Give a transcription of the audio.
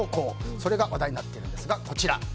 それが話題になっているんですがこちら。